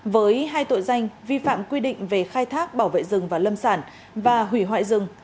với hai tội danh vi phạm quy định về khai thác bảo vệ rừng và lâm sản và hủy hoại rừng